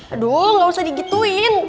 aduh gak usah digituin